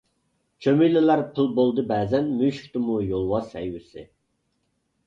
چۈمۈلىلەر پىل بولدى بەزەن، مۈشۈكتىمۇ يولۋاس ھەيۋىسى.